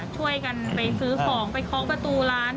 ช่วยกันไปซื้อของไปเคาะประตูร้าน